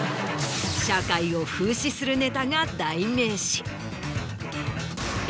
社会を風刺するネタが代名詞。